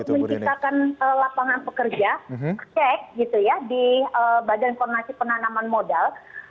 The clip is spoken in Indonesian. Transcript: ini untuk menciptakan lapangan pekerja cek di badan informasi penanaman modal